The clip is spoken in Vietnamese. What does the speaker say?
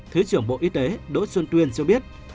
thứ trưởng bộ y tế đỗ xuân tuyên cho biết